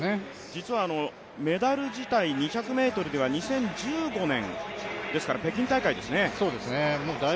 実はメダル自体、２０１５年ですから北京大会ですね。